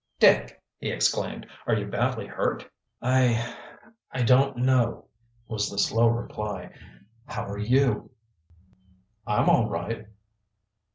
"Dick!" he exclaimed. "Are you badly hurt?" "I I don't know," was the slow reply. "How are you?" "I'm all right?"